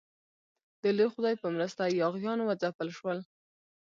د لوی خدای په مرسته یاغیان وځپل شول.